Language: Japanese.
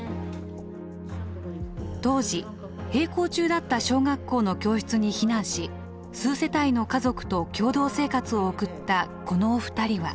当時閉校中だった小学校の教室に避難し数世帯の家族と共同生活を送ったこのお二人は。